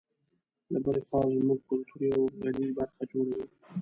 له بلې خوا زموږ کلتور یوه غني برخه جوړوي.